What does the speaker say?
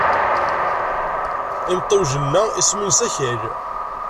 Amtiweg-nneɣ isem-nnes Akal.